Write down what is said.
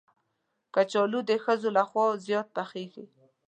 کچالو د ښځو لخوا زیات پخېږي